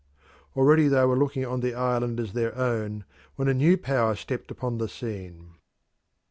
Already they were looking on the island as their own when a new power stepped upon the scene.